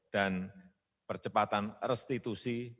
dan percepatan restitusi